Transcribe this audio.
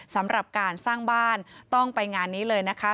สำหรับการสร้างบ้านต้องไปงานนี้เลยนะคะ